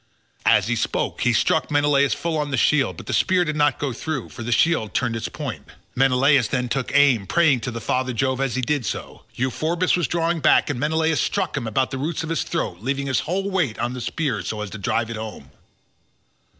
As he spoke he struck Menelaus full on the shield, but the spear did not go through, for the shield turned its point. Menelaus then took aim, praying to father Jove as he did so; Euphorbus was drawing back, and Menelaus struck him about the roots of his throat, leaning his whole weight on the spear, so as to drive it home.